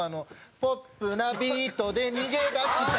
「ポップなビートで逃げ出したい」